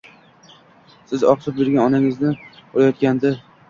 Siz oq sut bergan onangizni urayotgandi.